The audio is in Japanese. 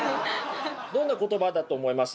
どんな言葉だと思います？